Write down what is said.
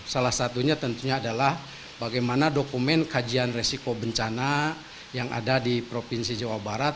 salah satunya tentunya adalah bagaimana dokumen kajian resiko bencana yang ada di provinsi jawa barat